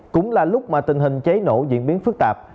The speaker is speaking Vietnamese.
cũng là lúc mà tình hình cháy nổ diễn biến phức tạp